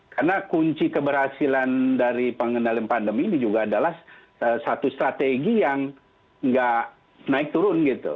karena kunci keberhasilan dari pengendalian pandemi ini juga adalah satu strategi yang nggak naik turun gitu